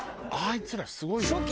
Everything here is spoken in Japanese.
あいつらすごいよ。